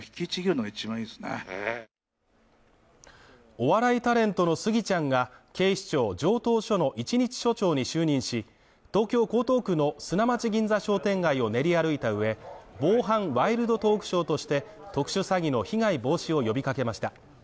お笑いタレントのスギちゃんが、警視庁城東署の一日署長に就任し東京江東区の砂町銀座商店街を練り歩いた上、防犯ワイルドトークショーとして特殊詐欺の被害防止を呼びかけました。